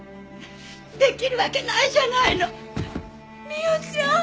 出来るわけないじゃないの！